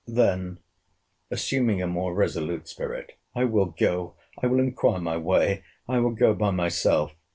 Then assuming a more resolute spirit—I will go! I will inquire my way!—I will go by myself!